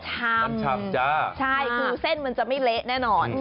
ชำจ้าใช่คือเส้นมันจะไม่เละแน่นอน